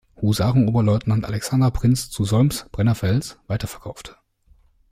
Husaren-Oberleutnant Alexander Prinz zu Solms-Brennerfels weiterverkaufte.